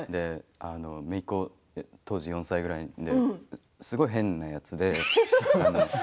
めいっ子、当時４歳ぐらいですごい変なやつで。